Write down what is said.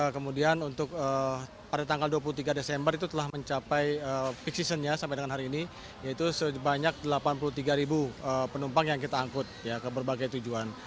kemudian untuk pada tanggal dua puluh tiga desember itu telah mencapai peak seasonnya sampai dengan hari ini yaitu sebanyak delapan puluh tiga penumpang yang kita angkut ke berbagai tujuan